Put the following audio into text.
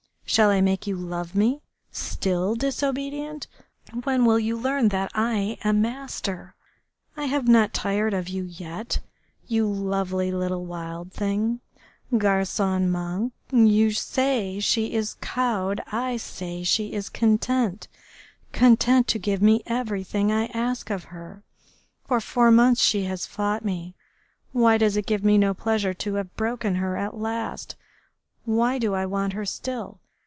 Shall I make you love me?... Still disobedient? When will you learn that I am master?... I have not tired of you yet, you lovely little wild thing, garcon manque.... You say she is cowed; I say she is content content to give me everything I ask of her.... For four months she has fought me. Why does it give me no pleasure to have broken her at last? Why do I want her still?